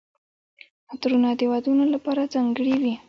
عطرونه د ودونو لپاره ځانګړي وي.